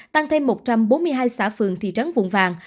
tăng thêm một trăm bốn mươi hai xã phường thị trấn vùng vàng